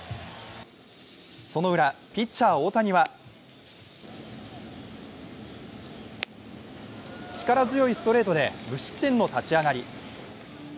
そのウラ、ピッチャー・大谷は力強いストレートで無失点の立ち上がり。